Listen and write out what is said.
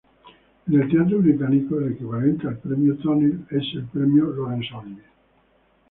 En el teatro británico, el equivalente al premio Tony es el Premio Laurence Olivier.